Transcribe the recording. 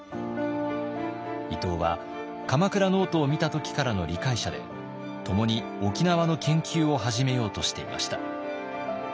伊東は鎌倉ノートを見た時からの理解者で共に沖縄の研究を始めようとしていました。